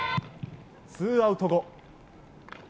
ツーアウト後。